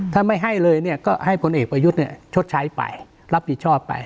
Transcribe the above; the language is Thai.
ถ้าไม่ให้เลยเนี่ยก็ให้พลเอกประยุทธ์ชดใช้ไปรับผิดชอบไป